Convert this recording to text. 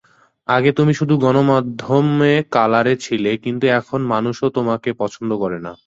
আগে তুমি শুধু গনমাধ্যমে কালারে ছিলে, কিন্তু এখন মানুষও তোমাকে পছন্দ করে না।